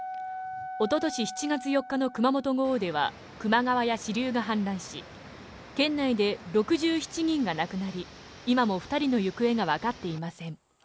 おととし７月４日の熊本豪雨では、くま川や支流が氾濫し、県内で６７人が亡くなり、今も２人の行方が分かっていません。